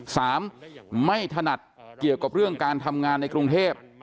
สามไม่ถนัดเกี่ยวกับเรื่องการทำงานในกรุงเทพ